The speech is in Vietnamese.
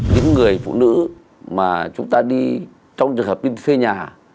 những người phụ nữ mà chúng ta đi trong trường hợp đi thuê nhà